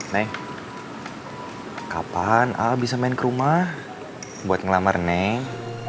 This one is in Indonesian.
neng kapan ah bisa main kerumah buat ngelamar neng